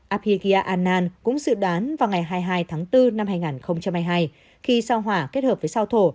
apigia annan cũng dự đoán vào ngày hai mươi hai tháng bốn năm hai nghìn hai mươi hai khi sao hỏa kết hợp với sao thổ